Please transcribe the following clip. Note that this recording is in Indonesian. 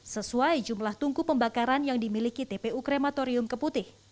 sesuai jumlah tungku pembakaran yang dimiliki tpu krematorium keputih